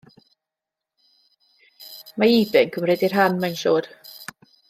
Mae ebay yn cymryd eu rhan, mae'n siwr.